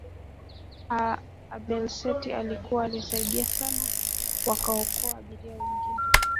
abelset alikuwa alisaidia sana kuwaokoa abiriwa wengine